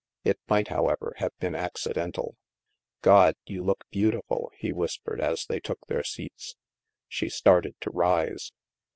It might, however, have been accidental. " God, you look beautiful," he whispered as they took their seats. She started to rise.